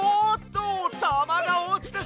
たまがおちてしまった。